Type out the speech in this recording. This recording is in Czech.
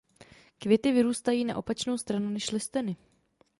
Květy vyrůstají na opačnou stranu než listeny.